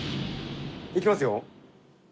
いきますよ。